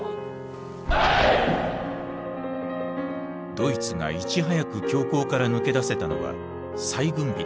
ドイツがいち早く恐慌から抜け出せたのは再軍備だった。